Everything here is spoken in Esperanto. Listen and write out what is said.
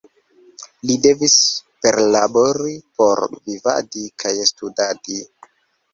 Li devis perlabori por vivadi kaj studadi.